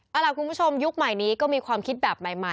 เอาล่ะคุณผู้ชมยุคใหม่นี้ก็มีความคิดแบบใหม่